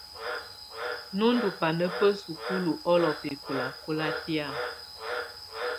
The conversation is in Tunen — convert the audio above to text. Nú ndù bana bà sukulu ɔlɔ bɛkɔlakɔla tɛ̀á.